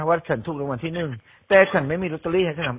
ว่าฉันถูกรางวัลที่หนึ่งแต่ฉันไม่มีลอตเตอรี่ให้ฉัน